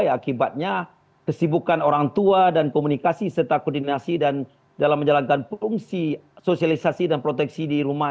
akibatnya kesibukan orang tua dan komunikasi serta koordinasi dan dalam menjalankan fungsi sosialisasi dan proteksi di rumah